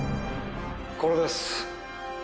これです。